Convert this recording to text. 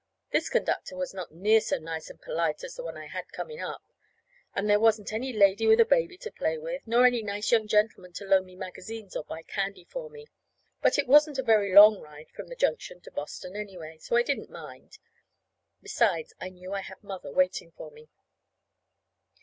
This conductor was not near so nice and polite as the one I had coming up; and there wasn't any lady with a baby to play with, nor any nice young gentleman to loan me magazines or buy candy for me. But it wasn't a very long ride from the junction to Boston, anyway. So I didn't mind. Besides, I knew I had Mother waiting for me.